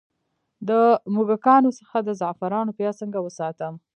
د موږکانو څخه د زعفرانو پیاز څنګه وساتم؟